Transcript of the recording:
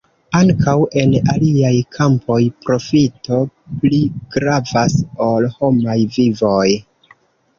Ankaŭ en aliaj kampoj profito pli gravas ol homaj vivoj.